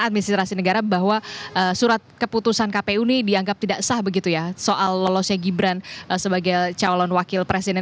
administrasi negara bahwa surat keputusan kpu ini dianggap tidak sah begitu ya soal lolosnya gibran sebagai calon wakil presiden